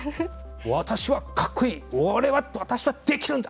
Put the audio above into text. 私はかっこいい俺は私はできるんだ！